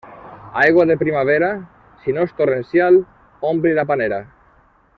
Aigua de primavera, si no és torrencial, ompli la panera.